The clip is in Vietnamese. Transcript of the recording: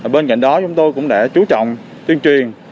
bên cạnh đó chúng tôi cũng đã chú trọng tuyên truyền